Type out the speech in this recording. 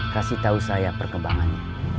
kasih tau saya perkembangannya